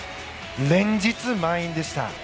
連日、満員でした。